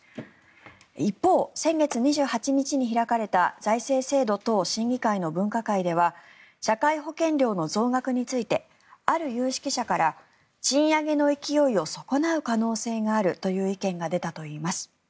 一方、先月２８日に開かれた財政制度等審議会の分科会では社会保険料の増額についてある有識者から賃上げの勢いを損なう可能性があるという意見が出たといいます。